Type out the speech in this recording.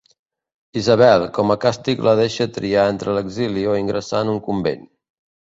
Isabel, com a càstig, la deixa triar entre l'exili o ingressar en un convent.